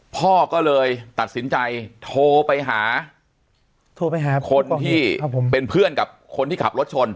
พ่อก็เลยตัดสินใจโทรไปหาโทรไปหาคนที่เป็นเพื่อนกับคนที่ขับรถชน